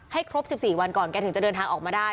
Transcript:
ครบ๑๔วันก่อนแกถึงจะเดินทางออกมาได้